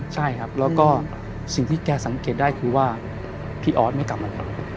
ใช่ครับแล้วก็สิ่งที่แกสังเกตได้คือว่าพี่ออสไม่กลับมาแล้ว